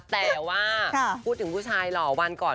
แต่ว่าพูดถึงผู้ชายหล่อวันก่อน